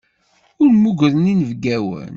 Ur mmugren inebgawen.